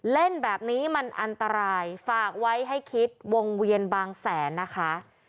เล่นแบบนี้มันอันตรายฝากไว้ให้คิดวงเวียนบางแสนนะคะ